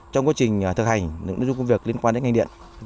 trong quá trình thực hành những nội dung công việc liên quan đến ngành điện